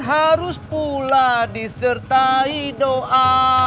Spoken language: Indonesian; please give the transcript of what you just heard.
harus pula disertai doa